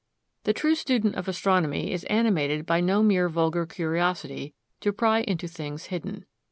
The true student of astronomy is animated by no mere vulgar curiosity to pry into things hidden.